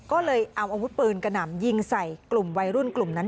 ก็เลยเอาอาวุธปืนกระหน่ำยิงใส่กลุ่มวัยรุ่นกลุ่มนั้น